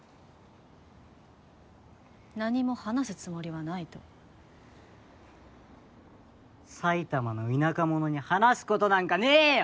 何も話すつもりはないと埼玉の田舎者に話すことなんかねえよ！